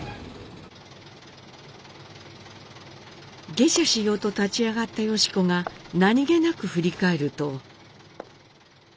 下車しようと立ち上がった良子が何気なく振り返ると。